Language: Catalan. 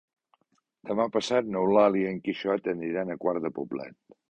Demà passat n'Eulàlia i en Quixot aniran a Quart de Poblet.